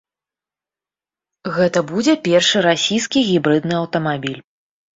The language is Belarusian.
Гэта будзе першы расійскі гібрыдны аўтамабіль.